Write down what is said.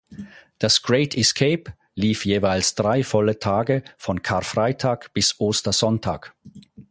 Das Great Escape lief jeweils drei volle Tage von Karfreitag bis Ostersonntag.